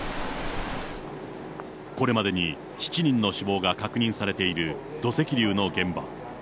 これまでに７人の死亡が確認されている土石流の現場。